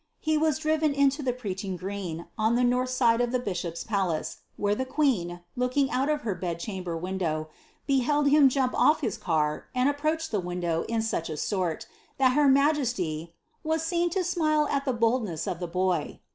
He was driven into the ^' preaching green," on the north side of the bishop's palace, where the queen, looking out of her bed chamber wiodoWf beheld him jump off his car and approach the window in such 1 tort, that her majesty ^ was seen to smile at the boldness of the boy."